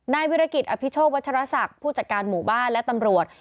วิรกิจอภิโชควัชรศักดิ์ผู้จัดการหมู่บ้านและตำรวจ